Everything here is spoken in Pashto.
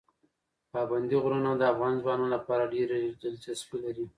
پابندي غرونه د افغان ځوانانو لپاره ډېره دلچسپي لري.